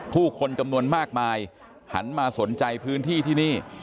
ผู้คนจำนวนมากมายหันมาสนใจพื้นที่ที่นี่